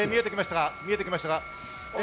見えてきました。